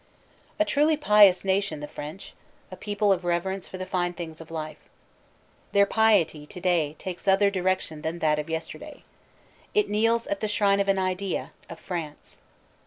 A truly pious nation, the French; a people of reverence for the fine things of life. Their piety today takes other direc tion than that of yesterday. It kneels at the shrine of an idea, of France.